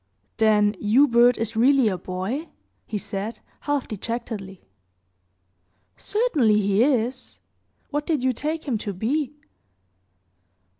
"Then Hubert is really a boy?" he said, half dejectedly. "Certainly he is. What did you take him to be?"